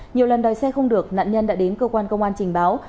nhiều lần đòi xe không được nạn nhân đã đến cơ quan công an trình báo